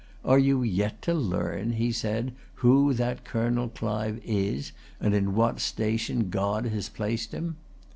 "Are you yet to learn," he said, "who that Colonel Clive is, and in what station God has placed him?"